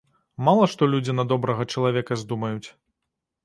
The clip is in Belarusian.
Мала што людзі на добрага чалавека здумаюць.